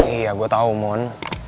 iya gue tau mon